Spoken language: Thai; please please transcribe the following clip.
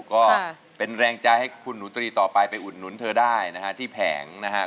ก็เป็นแรงใจให้คุณหนูตรีต่อไปไปอุดหนุนเธอได้นะฮะที่แผงนะครับ